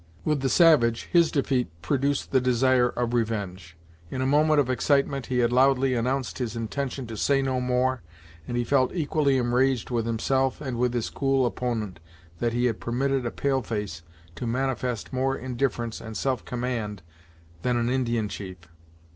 With the savage, his defeat produced the desire of revenge. In a moment of excitement, he had loudly announced his intention to say no more, and he felt equally enraged with himself and with his cool opponent, that he had permitted a pale face to manifest more indifference and self command than an Indian chief.